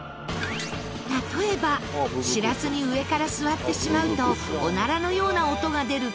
例えば知らずに上から座ってしまうとおならのような音が出る